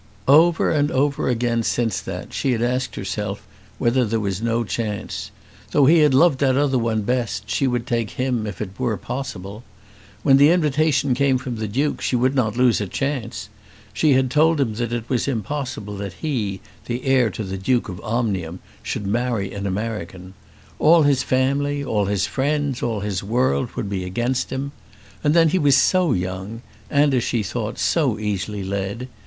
Over and over again since that, she had asked herself whether there was no chance. Though he had loved that other one best she would take him if it were possible. When the invitation came from the Duke she would not lose a chance. She had told him that it was impossible that he, the heir to the Duke of Omnium, should marry an American. All his family, all his friends, all his world would be against him. And then he was so young, and, as she thought, so easily led.